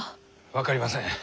分かりません。